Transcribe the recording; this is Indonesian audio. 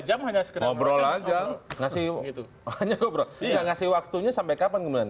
jam hanya sekedar ngobrol aja ngasih waktu itu makanya obrol tidak ngasih waktunya sampai kapan kemudian